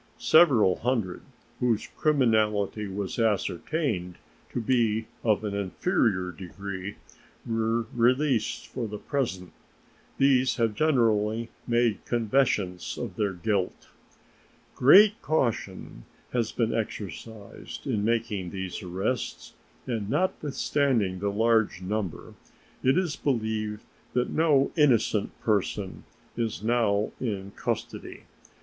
Several hundred, whose criminality was ascertained to be of an inferior degree, were released for the present. These have generally made confessions of their guilt. Great caution has been exercised in making these arrests, and, notwithstanding the large number, it is believed that no innocent person is now in custody.